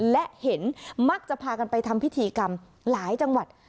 และเห็นมักจะพากันไปทำพิธีกรรมหลายจังหวัด